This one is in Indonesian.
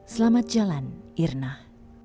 selamat jalan irnah